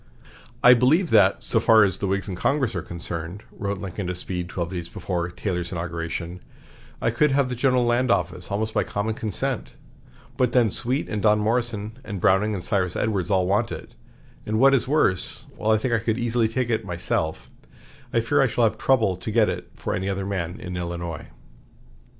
"I believe that, so far as the Whigs in Congress are concerned," wrote Lincoln to Speed twelve days before Taylor's inauguration, "I could have the General Land Office almost by common consent; but then Sweet and Don Morrison and Browning and Cyrus Edwards all want it, and what is worse, while I think I could easily take it myself, I fear I shall have trouble to get it for any other man in Illinois."